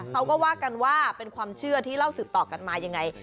เขาก็ว่ากันว่าเป็นความเชื่อที่เล่าสืบต่อกันมายังไง